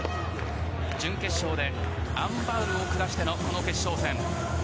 準決勝でアン・バウルを下してのこの決勝戦。